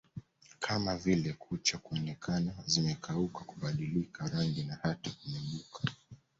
kama vile kucha kuonekana zimekauka kubadilika rangi na hata kumeguka